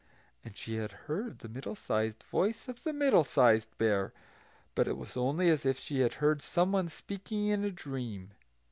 And she had heard the middle sized voice of the Middle sized Bear, but it was only as if she had heard someone speaking in a dream.